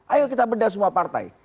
ayo kita bedah semua partai